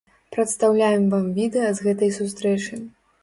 Прадстаўляем вам відэа з гэтай сустрэчы.